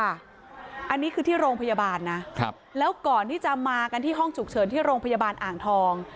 อันนี้คือที่โรงพยาบาลนะแล้วก่อนที่จะมากันที่ห้องฉุกเฉินที่โรงพยาบาลอ่างทอง